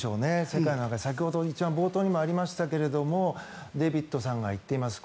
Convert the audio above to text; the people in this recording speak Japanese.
世界なんか先ほど一番冒頭にもありましたがデイビッドさんが言っています。